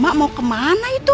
mak mau kemana itu